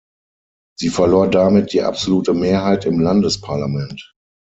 Sie verlor damit die absolute Mehrheit im Landesparlament.